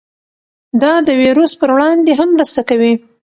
دا د ویروس پر وړاندې هم مرسته کوي.